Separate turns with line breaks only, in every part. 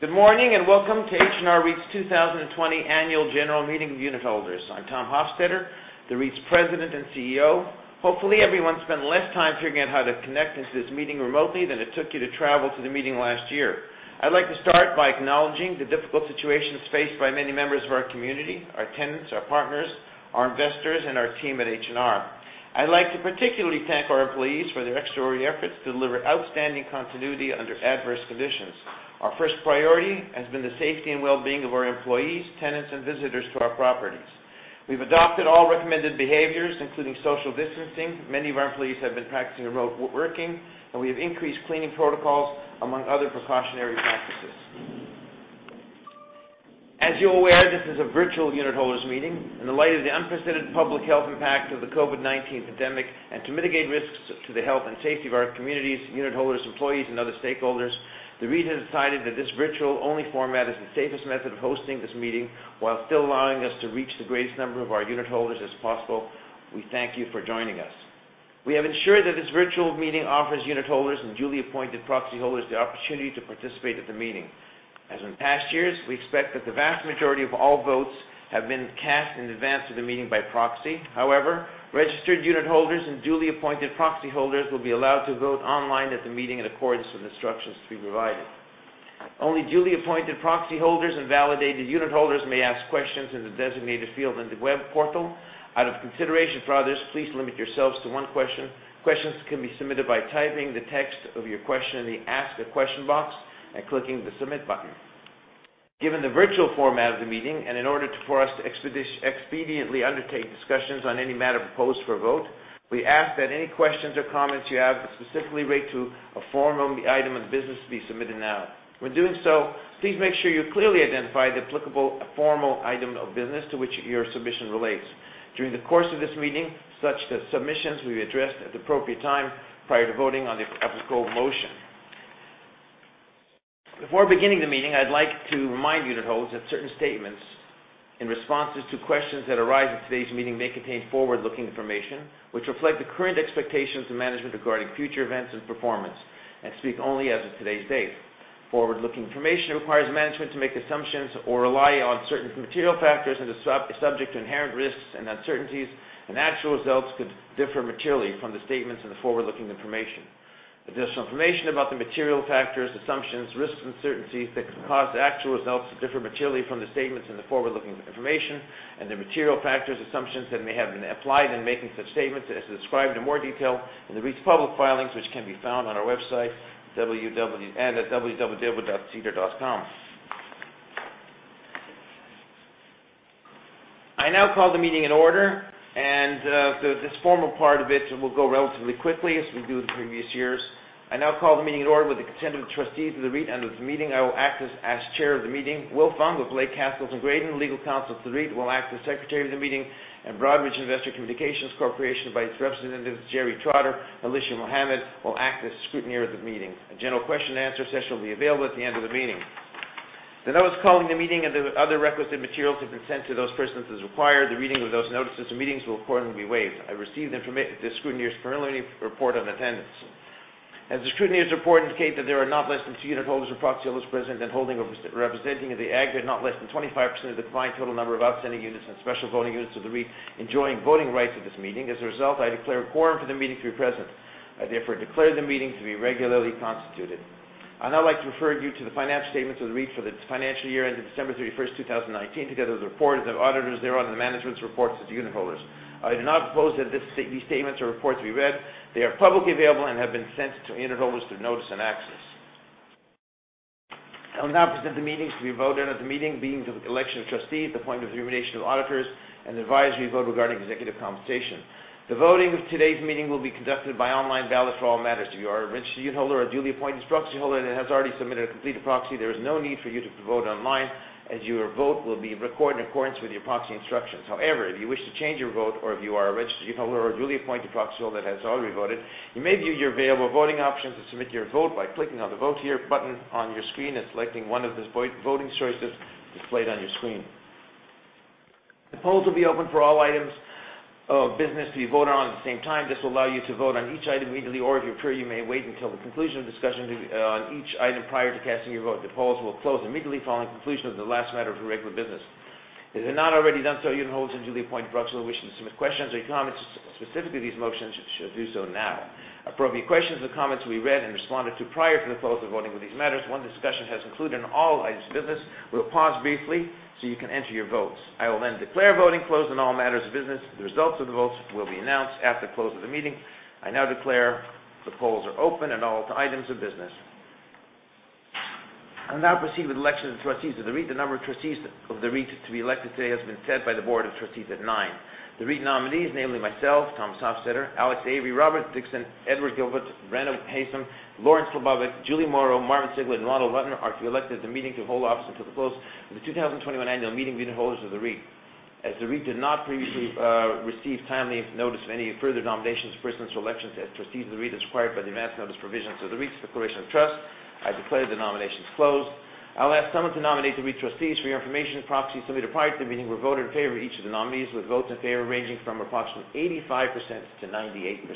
Good morning, and welcome to H&R REIT's 2020 annual general meeting of unitholders. I'm Tom Hofstedter, the REIT's President and CEO. Hopefully, everyone spent less time figuring out how to connect into this meeting remotely than it took you to travel to the meeting last year. I'd like to start by acknowledging the difficult situations faced by many members of our community, our tenants, our partners, our investors, and our team at H&R. I'd like to particularly thank our employees for their extraordinary efforts to deliver outstanding continuity under adverse conditions. Our first priority has been the safety and wellbeing of our employees, tenants, and visitors to our properties. We've adopted all recommended behaviors, including social distancing. Many of our employees have been practicing remote working, and we have increased cleaning protocols among other precautionary practices. As you're aware, this is a virtual unitholders meeting. In the light of the unprecedented public health impact of the COVID-19 pandemic, and to mitigate risks to the health and safety of our communities, unitholders, employees, and other stakeholders, the REIT has decided that this virtual-only format is the safest method of hosting this meeting while still allowing us to reach the greatest number of our unitholders as possible. We thank you for joining us. We have ensured that this virtual meeting offers unitholders and duly appointed proxyholders the opportunity to participate at the meeting. As in past years, we expect that the vast majority of all votes have been cast in advance of the meeting by proxy. However, registered unitholders and duly appointed proxyholders will be allowed to vote online at the meeting in accordance with instructions to be provided. Only duly appointed proxyholders and validated unitholders may ask questions in the designated field in the web portal. Out of consideration for others, please limit yourselves to one question. Questions can be submitted by typing the text of your question in the Ask a Question box and clicking the Submit button. Given the virtual format of the meeting, and in order for us to expediently undertake discussions on any matter proposed for a vote, we ask that any questions or comments you have that specifically relate to a formal item of business be submitted now. When doing so, please make sure you clearly identify the applicable formal item of business to which your submission relates. During the course of this meeting, such submissions will be addressed at the appropriate time prior to voting on the applicable motion. Before beginning the meeting, I'd like to remind unitholders that certain statements and responses to questions that arise in today's meeting may contain forward-looking information, which reflect the current expectations of management regarding future events and performance, and speak only as of today's date. Forward-looking information requires management to make assumptions or rely on certain material factors and is subject to inherent risks and uncertainties, and actual results could differ materially from the statements in the forward-looking information. Additional information about the material factors, assumptions, risks, and uncertainties that could cause actual results to differ materially from the statements in the forward-looking information and the material factors assumptions that may have been applied in making such statements is described in more detail in the REIT's public filings, which can be found on our website and at www.sedar.com. I now call the meeting in order, and this formal part of it will go relatively quickly as we do the previous years. I now call the meeting to order. With the consent of the trustees of the REIT and of the meeting, I will act as chair of the meeting. Will Fung of Blake, Cassels & Graydon, legal counsel to the REIT, will act as secretary of the meeting. Broadridge Investor Communications Corporation by its representatives, Jerry Trotter, Alicia Mohammed, will act as scrutineer of the meeting. A general question and answer session will be available at the end of the meeting. The notice calling the meeting and the other requisite materials have been sent to those persons as required. The reading of those notices of meetings will accordingly be waived. I received the scrutineer's preliminary report on attendance. As the scrutineer's report indicates that there are not less than two unitholders or proxyholders present and holding or representing in the AGM, not less than 25% of the combined total number of outstanding units and special voting units of the REIT enjoying voting rights at this meeting. As a result, I declare a quorum for the meeting through presence. I therefore declare the meeting to be regularly constituted. I'd now like to refer you to the financial statements of the REIT for its financial year ended December 31st, 2019, together with the report of the auditors thereon, and the management's reports to the unitholders. I do not propose that these statements or reports be read. They are publicly available and have been sent to unitholders through notice and access. I will now present the meetings to be voted at the meeting, being the election of trustees, the appointment and remuneration of auditors, and the advisory vote regarding executive compensation. The voting of today's meeting will be conducted by online ballot for all matters. If you are a registered unitholder or a duly appointed proxyholder that has already submitted a completed proxy, there is no need for you to vote online as your vote will be recorded in accordance with your proxy instructions. However, if you wish to change your vote or if you are a registered unitholder or a duly appointed proxyholder that has already voted, you may view your available voting options and submit your vote by clicking on the Vote Here button on your screen and selecting one of the voting choices displayed on your screen. The polls will be open for all items of business to be voted on at the same time. This will allow you to vote on each item immediately, or if you prefer, you may wait until the conclusion of discussions on each item prior to casting your vote. The polls will close immediately following the conclusion of the last matter of regular business. If you have not already done so, unitholders and duly appointed proxyholders who wish to submit questions or comments specific to these motions should do so now. Appropriate questions or comments will be read and responded to prior to the close of voting for these matters. Once discussion has concluded on all items of business, we will pause briefly so you can enter your votes. I will then declare voting closed on all matters of business. The results of the votes will be announced after the close of the meeting. I now declare the polls are open on all items of business. I will now proceed with the election of trustees of the REIT. The number of trustees of the REIT to be elected today has been set by the Board of Trustees at nine. The REIT nominees, namely myself, Tom Hofstedter, Alex Avery, Robert Dickson, Edward Gilbert, Brenna Haysom, Lawrence Lebovic, Juli Morrow, Martin Rubner, and Ronald Rutman, are to be elected at the meeting to hold office until the close of the 2021 annual meeting of unitholders of the REIT. As the REIT did not previously receive timely notice of any further nominations of persons for election as trustees of the REIT as required by the advance notice provisions of the REIT's declaration of trust, I declare the nominations closed. I'll ask someone to nominate the REIT trustees. For your information, proxies submitted prior to the meeting were voted in favor of each of the nominees, with votes in favor ranging from approximately 85%-98%.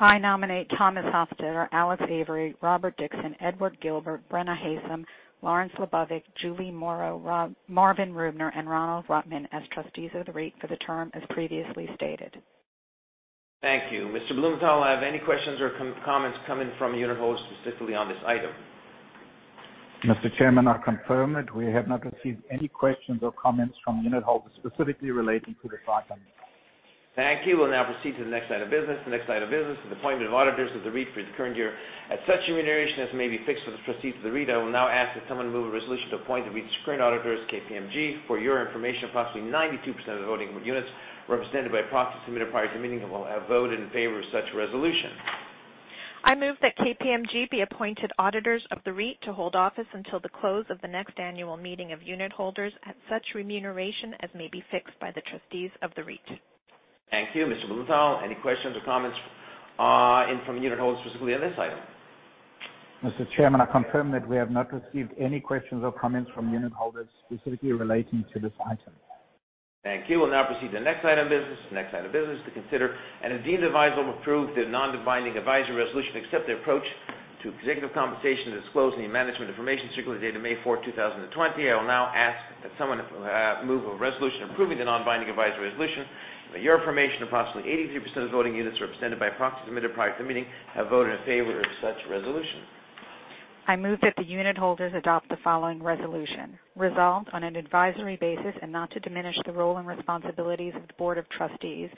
I nominate Tom Hofstedter, Alex Avery, Robert Dickson, Edward Gilbert, Brenna Haysom, Lawrence Lebovic, Juli Morrow, Marvin Rubner, and Ronald Rutman as trustees of the REIT for the term as previously stated.
Thank you. Mr. Blumenthal, I have any questions or comments coming from unitholders specifically on this item?
Mr. Chairman, I confirm that we have not received any questions or comments from unitholders specifically relating to this item.
Thank you. We'll now proceed to the next item of business. The next item of business is appointment of auditors of the REIT for the current year at such remuneration as may be fixed for the proceeds of the REIT. I will now ask that someone move a resolution to appoint the REIT's current auditors, KPMG. For your information, approximately 92% of the voting units represented by proxies submitted prior to the meeting have voted in favor of such resolution.
I move that KPMG be appointed auditors of the REIT to hold office until the close of the next annual meeting of unitholders at such remuneration as may be fixed by the trustees of the REIT.
Thank you, Mr. Blumenthal. Any questions or comments in from unitholders specifically on this item?
Mr. Chairman, I confirm that we have not received any questions or comments from unitholders specifically relating to this item.
Thank you. We'll now proceed to the next item of business. The next item of business to consider and, if deemed advisable, approve the non-binding advisory resolution to accept the approach to executive compensation as disclosed in the management information circular dated May 4, 2020. I will now ask that someone move a resolution approving the non-binding advisory resolution. For your information, approximately 83% of the voting units represented by proxies submitted prior to the meeting have voted in favor of such resolution.
I move that the unitholders adopt the following resolution. Resolve, on an advisory basis and not to diminish the role and responsibilities of the Board of Trustees,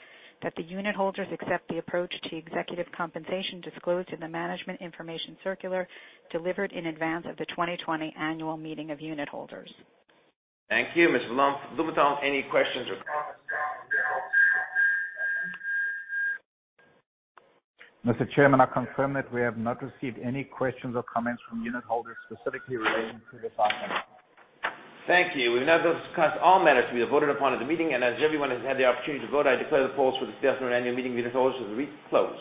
that the unitholders accept the approach to executive compensation disclosed in the management information circular delivered in advance of the 2020 annual meeting of unitholders.
Thank you, Ms. Blum. Blumenthal, any questions or comments?
Mr. Chairman, I confirm that we have not received any questions or comments from unitholders specifically relating to this item.
Thank you. We have now discussed all matters to be voted upon at the meeting, and as everyone has had the opportunity to vote, I declare the polls for this afternoon annual meeting of unitholders of the REIT closed.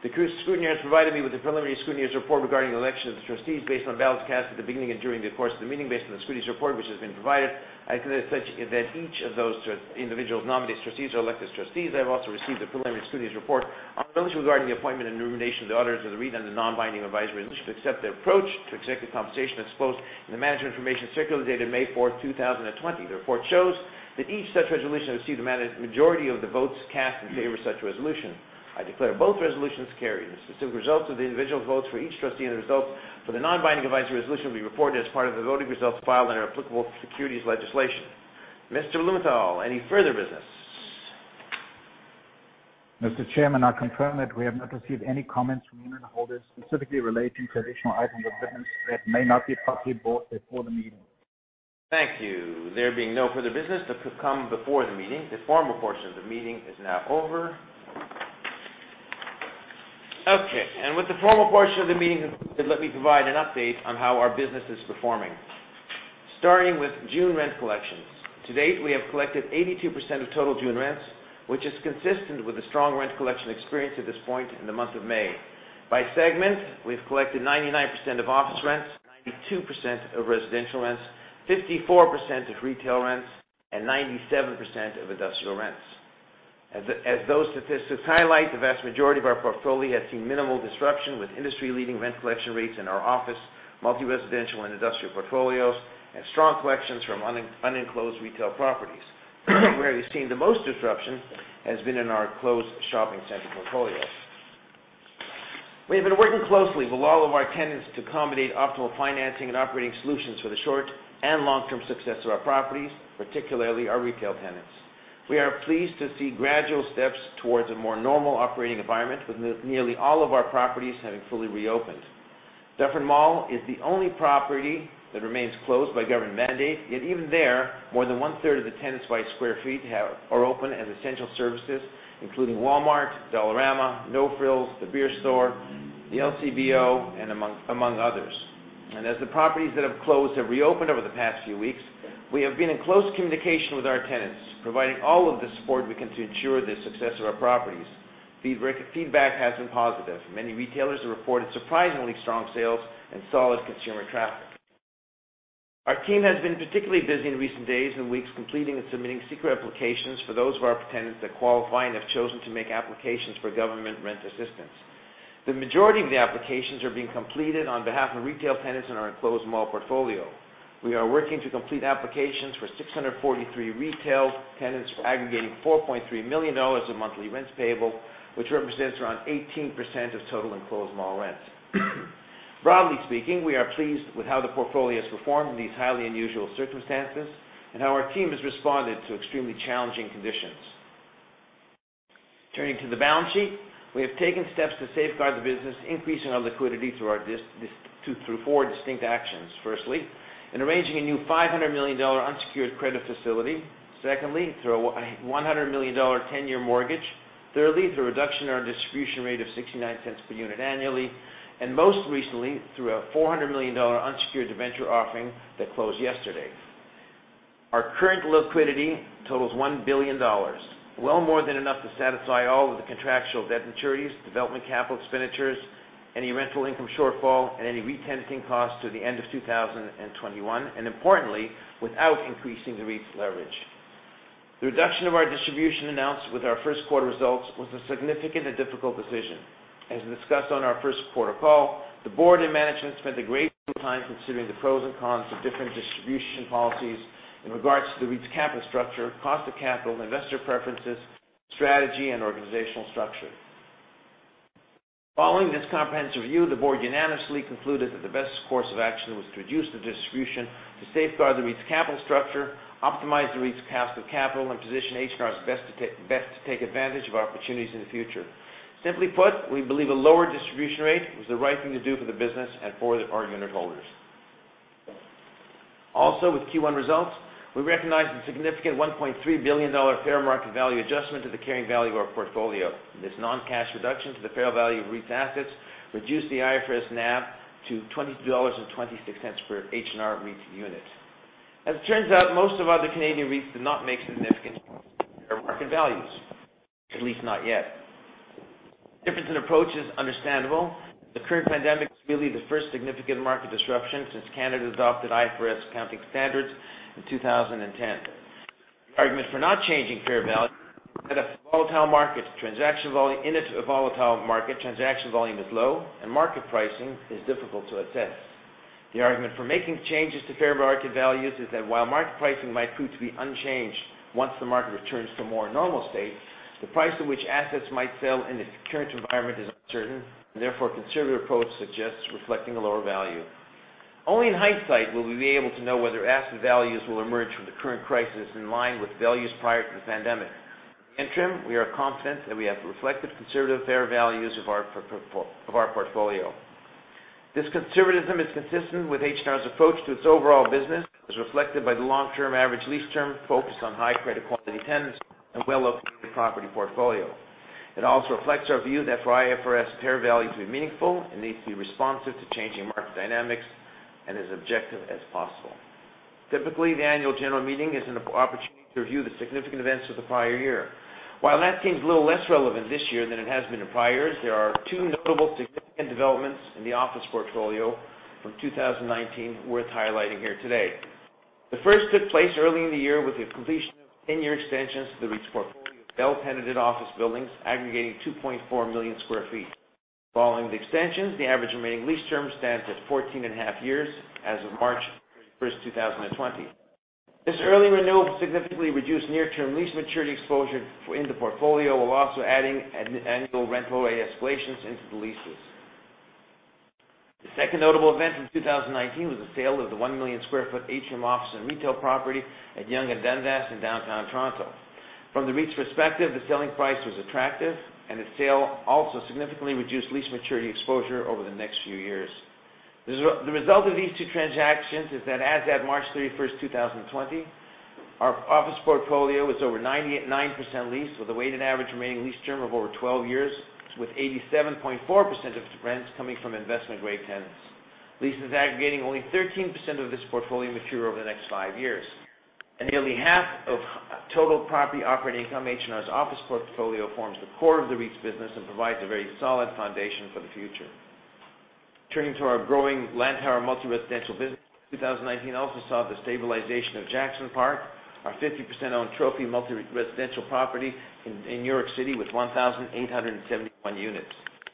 The scrutineer has provided me with the preliminary scrutineer report regarding election of the trustees based on ballots cast at the beginning and during the course of the meeting. Based on the scrutineer report, which has been provided, I declare that each of those individual nominees Trustees are elected Trustees. I have also received the preliminary scrutineer report on the resolution regarding the appointment and remuneration of the auditors of the REIT and the non-binding advisory resolution to accept their approach to executive compensation as disclosed in the Management Information Circular dated May 4, 2020. The report shows that each such resolution received a majority of the votes cast in favor of such resolution. I declare both resolutions carried. The specific results of the individual votes for each trustee and the result for the non-binding advisory resolution will be reported as part of the voting results filed under applicable securities legislation. Mr. Blumenthal, any further business?
Mr. Chairman, I confirm that we have not received any comments from unitholders specifically relating to additional items of business that may not be properly brought before the meeting.
Thank you. There being no further business to come before the meeting, the formal portion of the meeting is now over. Okay, with the formal portion of the meeting completed, let me provide an update on how our business is performing. Starting with June rent collections. To date, we have collected 82% of total June rents, which is consistent with the strong rent collection experience at this point in the month of May. By segment, we've collected 99% of office rents, 92% of residential rents, 54% of retail rents, and 97% of industrial rents. As those statistics highlight, the vast majority of our portfolio has seen minimal disruption with industry-leading rent collection rates in our office, multi-residential, and industrial portfolios, and strong collections from unenclosed retail properties. Where we've seen the most disruption has been in our closed shopping center portfolios. We have been working closely with all of our tenants to accommodate optimal financing and operating solutions for the short and long-term success of our properties, particularly our retail tenants. We are pleased to see gradual steps towards a more normal operating environment with nearly all of our properties having fully reopened. Dufferin Mall is the only property that remains closed by government mandate, yet even there, more than 1/3 of the tenants by sq ft are open as essential services, including Walmart, Dollarama, No Frills, The Beer Store, the LCBO, and among others. As the properties that have closed have reopened over the past few weeks, we have been in close communication with our tenants, providing all of the support we can to ensure the success of our properties. Feedback has been positive. Many retailers have reported surprisingly strong sales and solid consumer traffic. Our team has been particularly busy in recent days and weeks completing and submitting CECRA applications for those of our tenants that qualify and have chosen to make applications for government rent assistance. The majority of the applications are being completed on behalf of retail tenants in our enclosed mall portfolio. We are working to complete applications for 643 retail tenants aggregating 4.3 million dollars of monthly rents payable, which represents around 18% of total enclosed mall rents. Broadly speaking, we are pleased with how the portfolio has performed in these highly unusual circumstances and how our team has responded to extremely challenging conditions. Turning to the balance sheet. We have taken steps to safeguard the business, increasing our liquidity through four distinct actions. Firstly, in arranging a new 500 million dollar unsecured credit facility. Secondly, through a 100 million dollar 10-year mortgage. Thirdly, through a reduction in our distribution rate of 0.69 per unit annually. Most recently, through a 400 million dollar unsecured debenture offering that closed yesterday. Our current liquidity totals 1 billion dollars. Well more than enough to satisfy all of the contractual debt maturities, development capital expenditures, any rental income shortfall, and any re-tenanting costs through the end of 2021, and importantly, without increasing the REIT's leverage. The reduction of our distribution announced with our first quarter results was a significant and difficult decision. As discussed on our first quarter call, the board and management spent a great deal of time considering the pros and cons of different distribution policies in regards to the REIT's capital structure, cost of capital, investor preferences, strategy, and organizational structure. Following this comprehensive review, the board unanimously concluded that the best course of action was to reduce the distribution to safeguard the REIT's capital structure, optimize the REIT's cost of capital, and position H&R's best to take advantage of opportunities in the future. Simply put, we believe a lower distribution rate was the right thing to do for the business and for our unitholders. Also, with Q1 results, we recognized the significant 1.3 billion dollar fair market value adjustment to the carrying value of our portfolio. This non-cash reduction to the fair value of REIT's assets reduced the IFRS NAV to 22.26 dollars per H&R REIT unit. As it turns out, most of other Canadian REITs did not make significant changes to their market values, at least not yet. Difference in approach is understandable. The current pandemic is really the first significant market disruption since Canada adopted IFRS accounting standards in 2010. The argument for not changing fair value is that in a volatile market, transaction volume is low, and market pricing is difficult to assess. The argument for making changes to fair market values is that while market pricing might prove to be unchanged once the market returns to a more normal state, the price at which assets might sell in this current environment is uncertain, and therefore, a conservative approach suggests reflecting a lower value. Only in hindsight will we be able to know whether asset values will emerge from the current crisis in line with values prior to the pandemic. In the interim, we are confident that we have reflected conservative fair values of our portfolio. This conservatism is consistent with H&R's approach to its overall business, as reflected by the long-term average lease term focused on high credit quality tenants and well-located property portfolio. It also reflects our view that for IFRS fair value to be meaningful, it needs to be responsive to changing market dynamics and as objective as possible. Typically, the annual general meeting is an opportunity to review the significant events of the prior year. While that seems a little less relevant this year than it has been in prior years, there are two notable significant developments in the office portfolio from 2019 worth highlighting here today. The first took place early in the year with the completion of 10-year extensions to the REIT's portfolio of well-tenanted office buildings aggregating 2.4 million square feet. Following the extensions, the average remaining lease term stands at 14 and a half years as of March 31st, 2020. This early renewal significantly reduced near-term lease maturity exposure in the portfolio while also adding annual rental escalations into the leases. The second notable event from 2019 was the sale of the 1 million sq ft Atrium Office and Retail property at Yonge and Dundas in downtown Toronto. From the REIT's perspective, the selling price was attractive, and the sale also significantly reduced lease maturity exposure over the next few years. The result of these two transactions is that as at March 31st, 2020, our office portfolio is over 99% leased with a weighted average remaining lease term of over 12 years, with 87.4% of its rents coming from investment-grade tenants. Leases aggregating only 13% of this portfolio mature over the next five years, and nearly half of total property operating income, H&R's office portfolio forms the core of the REIT's business and provides a very solid foundation for the future. Turning to our growing Lantower multi-residential business, 2019 also saw the stabilization of Jackson Park, our 50%-owned trophy multi-residential property in New York City with 1,871 units.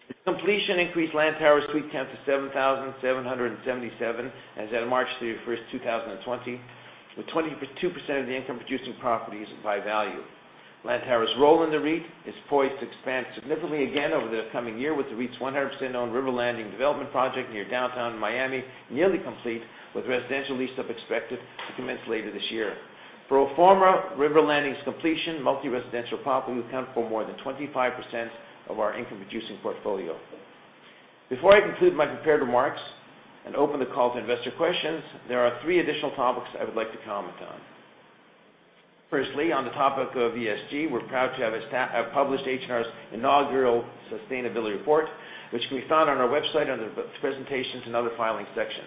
This completion increased Lantower's REIT count to 7,777 as at March 31st, 2020, with 22% of the income-producing properties by value. Lantower's role in the REIT is poised to expand significantly again over the coming year with the REIT's 100%-owned River Landing development project near downtown Miami nearly complete, with residential lease-up expected to commence later this year. Pro forma, River Landing's completion multi-residential property will account for more than 25% of our income-producing portfolio. Before I conclude my prepared remarks and open the call to investor questions, there are three additional topics I would like to comment on. Firstly, on the topic of ESG, we are proud to have published H&R's inaugural sustainability report, which can be found on our website under the presentations and other filings section.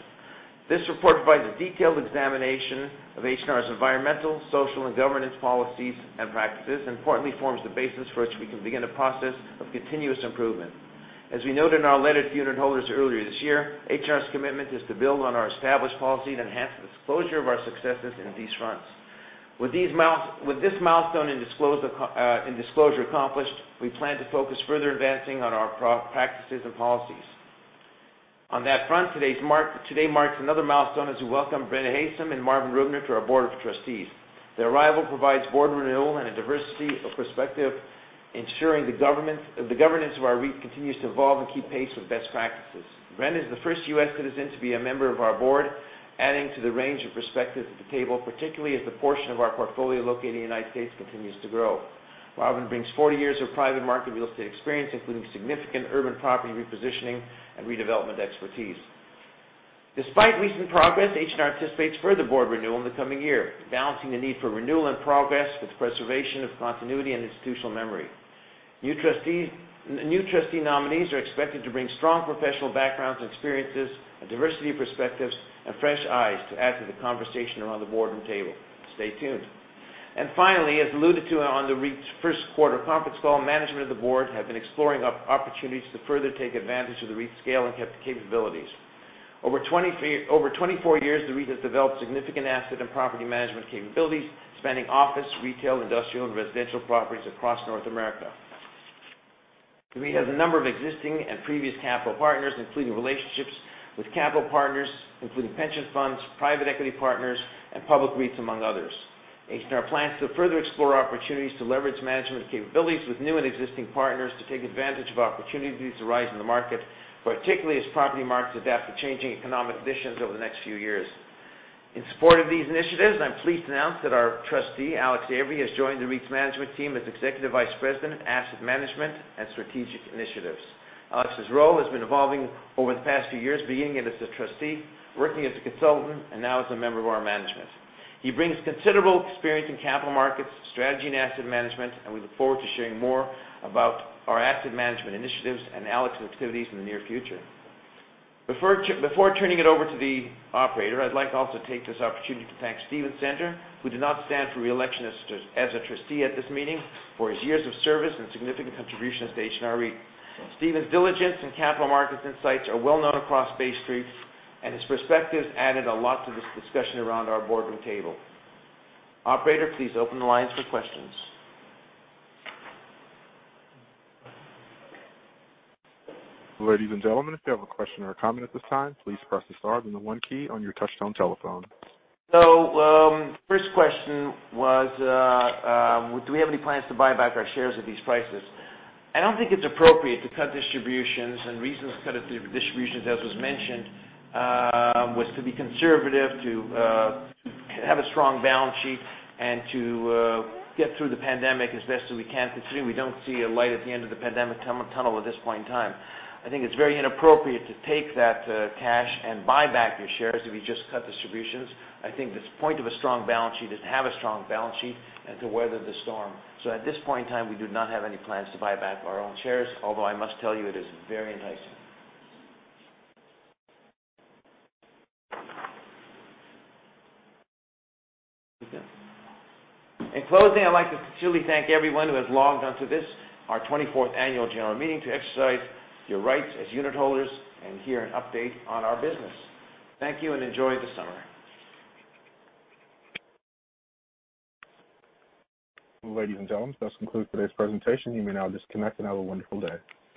This report provides a detailed examination of H&R's environmental, social, and governance policies and practices, and importantly, forms the basis for which we can begin a process of continuous improvement. As we noted in our letter to unit holders earlier this year, H&R's commitment is to build on our established policy to enhance the disclosure of our successes in these fronts. With this milestone in disclosure accomplished, we plan to focus further advancing on our practices and policies. On that front, today marks another milestone as we welcome Brenna Haysom and Marvin Rubner to our board of trustees. Their arrival provides board renewal and a diversity of perspective, ensuring the governance of our REIT continues to evolve and keep pace with best practices. Brenna is the first U.S. citizen to be a member of our board, adding to the range of perspectives at the table, particularly as the portion of our portfolio located in the United States continues to grow. Marvin brings 40 years of private market real estate experience, including significant urban property repositioning and redevelopment expertise. Despite recent progress, H&R anticipates further board renewal in the coming year, balancing the need for renewal and progress with the preservation of continuity and institutional memory. New trustee nominees are expected to bring strong professional backgrounds and experiences, a diversity of perspectives, and fresh eyes to add to the conversation around the boardroom table. Stay tuned. Finally, as alluded to on the REIT's first quarter conference call, management of the board have been exploring opportunities to further take advantage of the REIT's scale and capabilities. Over 24 years, the REIT has developed significant asset and property management capabilities, spanning office, retail, industrial, and residential properties across North America. The REIT has a number of existing and previous capital partners, including relationships with capital partners, including pension funds, private equity partners, and public REITs, among others. H&R plans to further explore opportunities to leverage management capabilities with new and existing partners to take advantage of opportunities that arise in the market, particularly as property markets adapt to changing economic conditions over the next few years. In support of these initiatives, I'm pleased to announce that our trustee, Alex Avery, has joined the REIT's management team as Executive Vice President, Asset Management and Strategic Initiatives. Alex's role has been evolving over the past few years, beginning as a trustee, working as a consultant, and now as a member of our management. We look forward to sharing more about our asset management initiatives and Alex's activities in the near future. Before turning it over to the operator, I'd like to also take this opportunity to thank Stephen Sender, who did not stand for re-election as a trustee at this meeting, for his years of service and significant contributions to H&R REIT. Steven's diligence and capital markets insights are well known across Bay Street, and his perspectives added a lot to this discussion around our boardroom table. Operator, please open the lines for questions.
Ladies and gentlemen, if you have a question or a comment at this time, please press the star and the one key on your touch-tone telephone.
First question was, do we have any plans to buy back our shares at these prices? I don't think it's appropriate to cut distributions. Reasons to cut distributions, as was mentioned, was to be conservative, to have a strong balance sheet, and to get through the pandemic as best as we can, considering we don't see a light at the end of the pandemic tunnel at this point in time. I think it's very inappropriate to take that cash and buy back your shares if you just cut distributions. I think the point of a strong balance sheet is to have a strong balance sheet and to weather the storm. At this point in time, we do not have any plans to buy back our own shares, although I must tell you it is very enticing. In closing, I'd like to sincerely thank everyone who has logged on to this, our 24th annual general meeting, to exercise your rights as unitholders and hear an update on our business. Thank you and enjoy the summer.
Ladies and gentlemen, this concludes today's presentation. You may now disconnect and have a wonderful day.